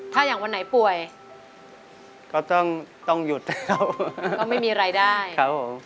ถ้าอย่างวันไหนป่วยก็ต้องต้องหยุดแล้วก็ไม่มีรายได้ครับผม